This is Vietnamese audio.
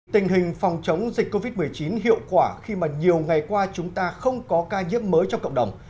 tình hình phòng chống dịch covid một mươi chín hiệu quả khi mà nhiều ngày qua chúng ta không có ca nhiễm mới trong cộng đồng